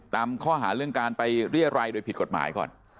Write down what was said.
ตามข้อหาเรื่องการไปเรียรัยโดยผิดกฎหมายก่อน